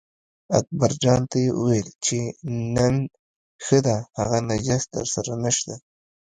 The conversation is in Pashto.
اکبرجان ته یې وویل چې نن ښه ده هغه نجس درسره نشته.